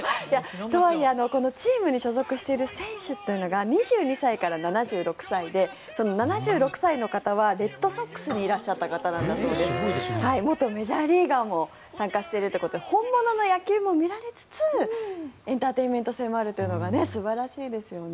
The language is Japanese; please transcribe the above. とはいえ、チームに所属している選手というのが２２歳から７６歳でその７６歳の方はレッドソックスにいらっしゃった方なんだそうで元メジャーリーガーも参加しているということで本物の野球も見られつつエンターテインメント性もあるというのが素晴らしいですよね。